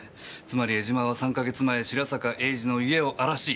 つまり江島は３か月前白坂英治の家を荒らし。